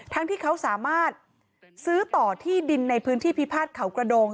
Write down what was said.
ที่เขาสามารถซื้อต่อที่ดินในพื้นที่พิพาทเขากระโดง